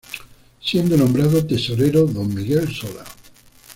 Siendo nombrado Tesorero Don Miguel Sola.